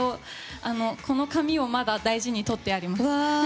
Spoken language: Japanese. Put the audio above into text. この紙をまだ大事に取ってあります。